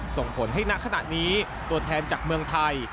ส่งผลให้ณขณะนี้ตัวแทนจากเมืองไทย